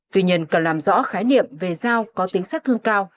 tuy nhiên cần làm rõ khái niệm về dao có tính sát thương cao